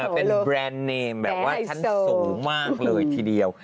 เป็นแบรนด์เนมแบบว่าชั้นสูงมากเลยทีเดียว